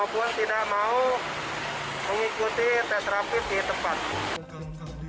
maupun tidak mau mengikuti tes rapid di tempat